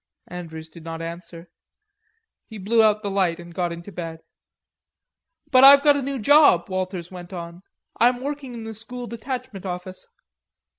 Andrews did not answer. He blew out the light and got into bed. "But I've got a new job," Walters went on. "I'm working in the school detachment office."